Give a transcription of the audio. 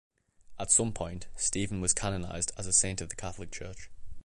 At some point, Stephen was canonized as a saint of the Catholic Church.